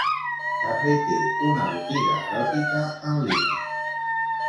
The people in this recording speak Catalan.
També té una botiga eròtica en línia.